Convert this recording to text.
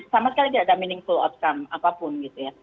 sama sekali tidak ada meaningful outcome apapun gitu ya